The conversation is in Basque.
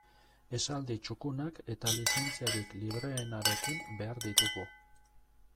Esaldi txukunak eta lizentziarik libreenarekin behar ditugu.